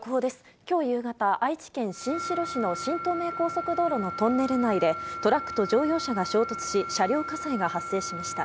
きょう夕方、愛知県新城市の新東名高速道路のトンネル内で、トラックと乗用車が衝突し、車両火災が発生しました。